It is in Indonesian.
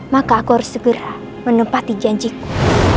maka aku harus segera menempati janjiku